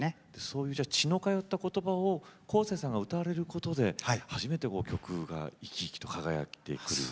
そういう血の通った言葉をこうせつさんが歌われることで初めて曲が生き生きと輝いてくる。